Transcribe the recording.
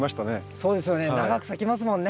そうですよね長く咲きますもんね。